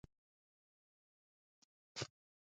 غول د سپینو خوړو نرمي لري.